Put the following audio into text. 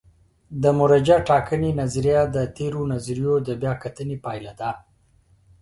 د مرجع ټاکنې نظریه د تېرو نظریو د بیا کتنې پایله ده.